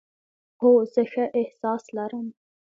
هو، زه ښه احساس لرم